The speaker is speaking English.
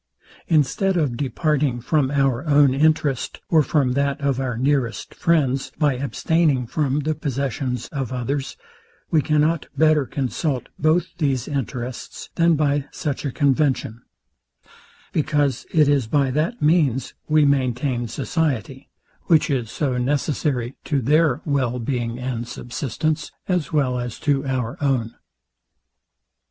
Instead of departing from our own interest, or from that of our nearest friends, by abstaining from the possessions of others, we cannot better consult both these interests, than by such a convention; because it is by that means we maintain society, which is so necessary to their well being and subsistence, as well as to our own.